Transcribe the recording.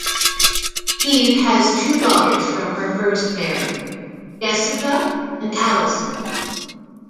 Eve has two daughters from her first marriage, Jessica and Alison.